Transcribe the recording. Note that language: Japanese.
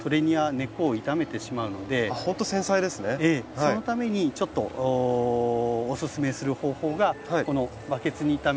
そのためにちょっとおすすめする方法がこのバケツにためた水を使います。